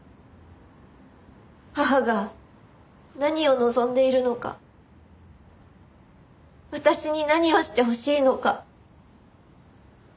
母が何を望んでいるのか私に何をしてほしいのか。